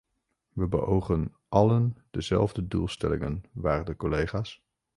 Wij beogen allen dezelfde doelstellingen, waarde collega's.